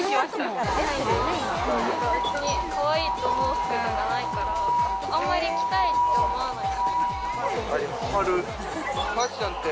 別にかわいいと思う服がないから、あんまり着たいと思わなくて。